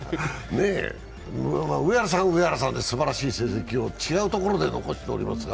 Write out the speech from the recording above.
上原さんは上原さんですばらしい成績を違うところで残しておりますが。